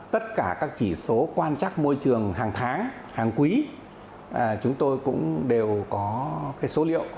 tất cả các chỉ số quan trắc môi trường hàng tháng hàng quý chúng tôi cũng đều có số liệu